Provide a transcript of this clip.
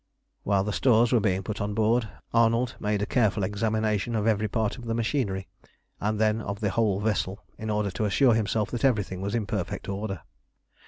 While the stores were being put on board, Arnold made a careful examination of every part of the machinery, and then of the whole vessel, in order to assure himself that everything was in perfect order.